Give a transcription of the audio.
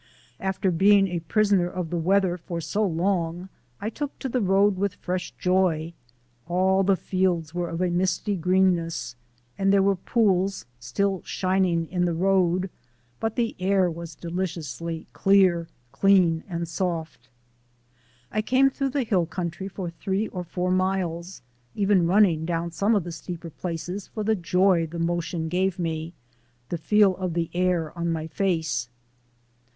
After being a prisoner of the weather for so long, I took to the Road with fresh joy. All the fields were of a misty greenness and there were pools still shining in the road, but the air was deliciously clear, clean, and soft. I came through the hill country for three or four miles, even running down some of the steeper places for the very joy the motion gave me, the feel of the air on my face.